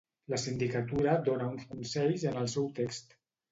La Sindicatura dona uns consells en el seu text?